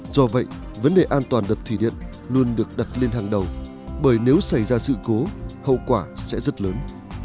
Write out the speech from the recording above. do vậy vấn đề an toàn đập thủy điện luôn được đặt lên hàng đầu bởi nếu xảy ra sự cố hậu quả sẽ rất lớn